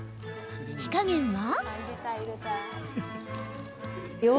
火加減は？